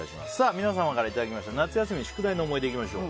皆様からいただきました夏休みの宿題の思い出いきましょう。